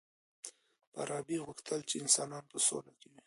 فارابي غوښتل چی انسانان په سوله کي وي.